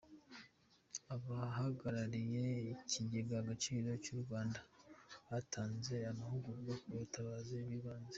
Abahagarariye Icyigega Agaciro Cy’u Rwanda batanze amahugurwa ku butabazi bw’ibanze